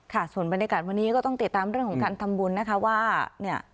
ค่ะส่วนบรรยากาศวันนี้ก็ต้องติดตามเรื่องของการทำบุญนะคะว่าเนี่ย